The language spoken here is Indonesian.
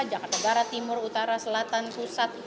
jakarta barat timur utara selatan pusat